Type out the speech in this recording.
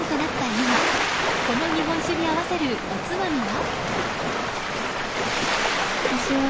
今この日本酒に合わせるおつまみは？